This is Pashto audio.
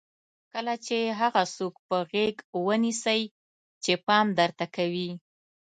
کله چې هغه څوک په غېږ ونیسئ چې پام درته کوي.